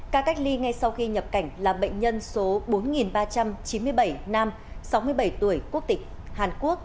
ca cách ly ngay sau khi nhập cảnh là bệnh nhân số bốn ba trăm chín mươi bảy nam sáu mươi bảy tuổi quốc tịch hàn quốc